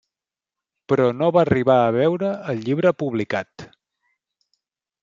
Però no va arribar a veure el llibre publicat.